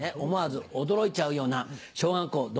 思わず驚いちゃうような小学校。